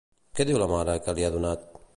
Què diu la mare que li ha donat?